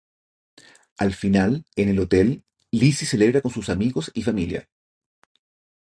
Al final, en el hotel Lizzie celebra con sus amigos y familia.